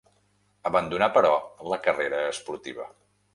Abandonà, però, la carrera esportiva.